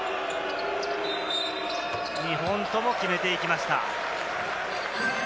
２本とも決めていきました。